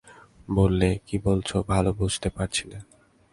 বললে, কী বলছ, ভালো বুঝতে পারছি নে।